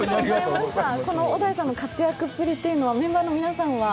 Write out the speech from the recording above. この小田井さんの活躍ぶりというのは、メンバーの皆さんは？